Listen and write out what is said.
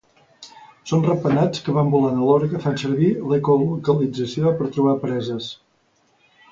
Són ratpenats que van volant alhora que fan servir l'ecolocalització per trobar preses.